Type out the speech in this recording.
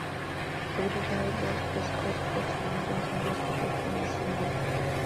Ilizarov originally used bicycle spokes; the modern Taylor Spatial Frame is similar.